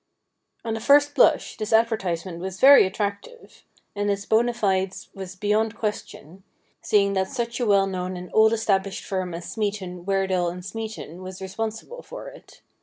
On the first blush this advertisement was very attractive, and its bond fides was beyond question, seeing that such a well known and old established firm as Smeaton, Weardale & Smeaton was responsible for it.